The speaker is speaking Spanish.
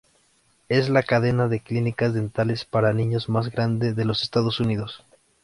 Es la cadena de clínicas dentales para niños más grande de los Estados Unidos.